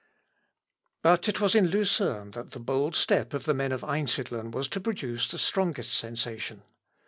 But it was in Lucerne that the bold step of the men of Einsidlen was to produce the strongest sensation.